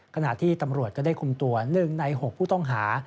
ขณะที่ตำรวจก็ได้คุมตัว๑ใน๖ผู้ต้องหา